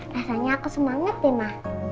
rasanya aku semangat ma